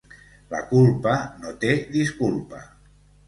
La culpa no té disculpa.